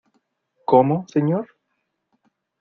¿ cómo, señor?